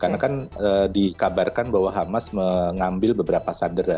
karena kan dikabarkan bahwa hamas mengambil beberapa sandra